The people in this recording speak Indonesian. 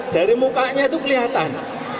dari mukanya itu kelihatan